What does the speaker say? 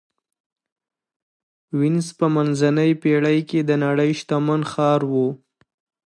وینز په منځنۍ پېړۍ کې د نړۍ شتمن ښار و.